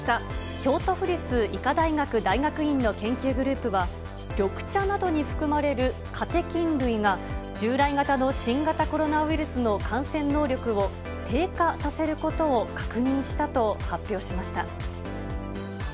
京都府立医科大学大学院の研究グループは、緑茶などに含まれるカテキン類が、従来型の新型コロナウイルスの感染能力を低下させることを確認したと発表しました。